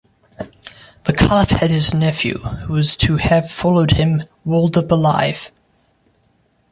The Caliph had his nephew, who was to have followed him, walled up alive.